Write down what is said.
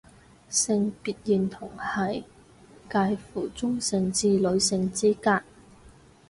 性別認同係界乎中性至女性之間